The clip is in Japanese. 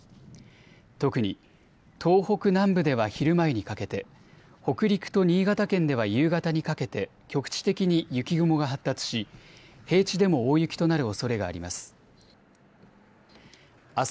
特に東北南部では昼前にかけて、北陸と新潟県では夕方にかけて局地的に雪雲が発達し平地でも大雪となるおそれがあります。